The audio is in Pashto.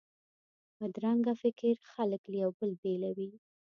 بدرنګه فکر خلک له یو بل بیلوي